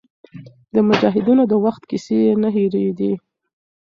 د مجاهدینو د وخت کیسې یې نه هېرېدې.